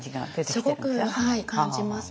すごく感じます。